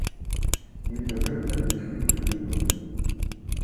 Мы і дагэтуль адлічваем гэтую долю.